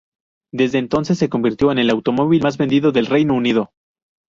Desde entonces, se convirtió en el automóvil más vendido del Reino Unido.